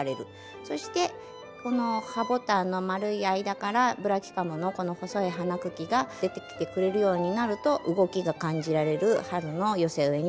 そしてこのハボタンの丸い間からブラキカムのこの細い花茎が出てきてくれるようになると動きが感じられる春の寄せ植えになるのかと思います。